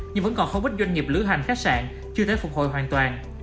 nhưng vẫn còn không ít doanh nghiệp lữ hành khách sạn chưa thể phục hồi hoàn toàn